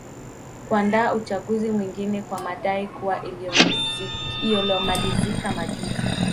kuandaa uchaguzi mwingine kwa madai kuwa uliomalizika majuzi